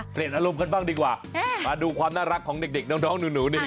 เปลี่ยนอารมณ์กันบ้างดีกว่ามาดูความน่ารักของเด็กน้องหนูนี่